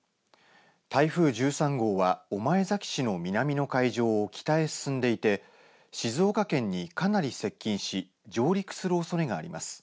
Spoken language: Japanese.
台風１３号は御前崎市の南の海上を北へ進んでいて、静岡県にかなり接近し上陸するおそれがあります。